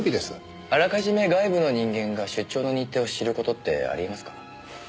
あらかじめ外部の人間が出張の日程を知る事ってありえますか？